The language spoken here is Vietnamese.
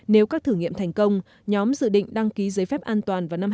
nếu các thử nghiệm thành công nhóm dự định đăng ký giấy phép an toàn vào năm hai nghìn hai mươi